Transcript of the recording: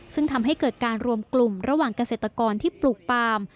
ซึ่งทำให้เกิดการรวมกลุ่มระหว่างเกษตรกรที่ปลูกปาล์ม